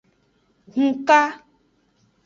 Hunka.